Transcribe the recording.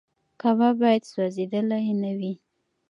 کباب باید سوځېدلی نه وي.